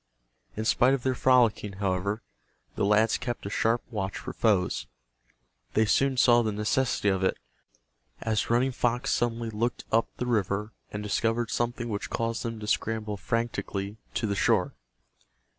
In spite of their frolicking, however, the lads kept a sharp watch for foes. They soon saw the necessity of it, as Running Fox suddenly looked up the river and discovered something which caused them to scramble frantically to the shore.